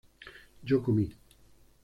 yo comí